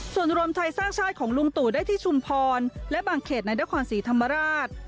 ส่วนรวมไทยสร้างชาติของลุงตู่ได้ที่ชุมพรและบางเขตในนครศรีธรรมราช